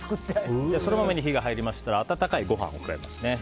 ソラマメに火が入りましたら温かいご飯を加えます。